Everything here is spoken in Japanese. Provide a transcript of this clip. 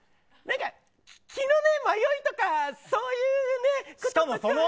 気の迷いとかそういうこともね。